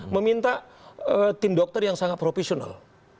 meminta tim dokter yang sangat profesional